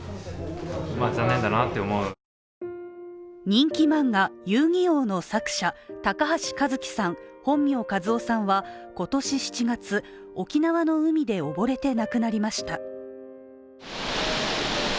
人気漫画「遊☆戯☆王」の作者高橋和希さん、本名、一雅さんは今年７月、沖縄の海で溺れて亡くなりました。